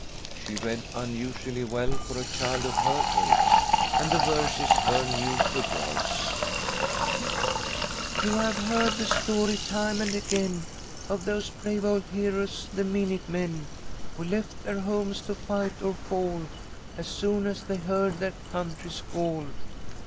She read unusually well for a child of her age, and the verses were new to Joyce: "You have heard the story, time and again, Of those brave old heroes, the 'Minute Men,' Who left their homes to fight or fall, As soon as they heard their country's call.